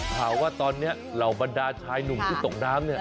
ข่าวว่าตอนนี้เหล่าบรรดาชายหนุ่มที่ตกน้ำเนี่ย